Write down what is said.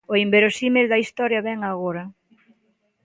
O inverosímil da historia vén agora.